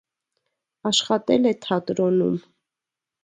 Աշխատել է թատրոնում։